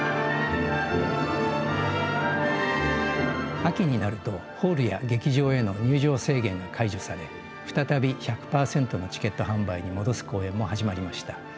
秋になるとホールや劇場への入場制限が解除され再び１００％のチケット販売に戻す公演も始まりました。